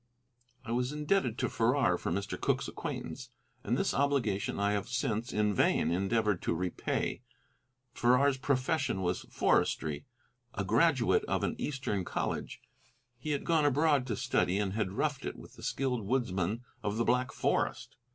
I was indebted to Farrar for Mr. Cooke's acquaintance, and this obligation I have since in vain endeavored to repay. Farrar's profession was forestry: a graduate of an eastern college, he had gone abroad to study, and had roughed it with the skilled woodsmen of the Black Forest.